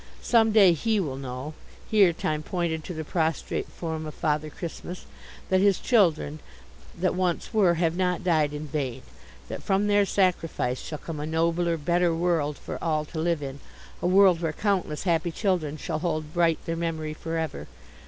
Some day he will know" here Time pointed to the prostrate form of Father Christmas "that his children, that once were, have not died in vain: that from their sacrifice shall come a nobler, better world for all to live in, a world where countless happy children shall hold bright their memory for ever.